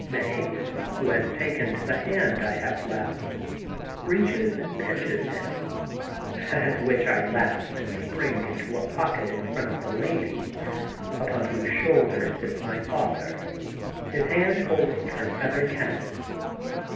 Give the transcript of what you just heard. Mae, who has taken to the hand I have left, reaches and pinches him; at which I laugh and spring into a pocket in front of the lady, upon whose shoulder sits my father, his hand holding her feather cap.